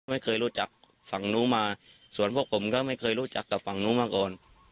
ไม่เคยรู้จักฝั่งนู้นมาส่วนพวกผมก็ไม่เคยรู้จักกับฝั่งนู้นมาก่อน